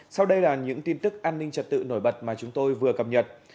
sau đây là những tin tức an ninh trật tự nổi bật mà chúng tôi vừa cập nhật